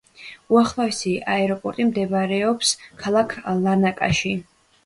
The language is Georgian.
უახლოესი აეროპორტი მდებარეობა ქალაქ ლარნაკაში.